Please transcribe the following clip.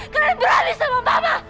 kalian berani sama mama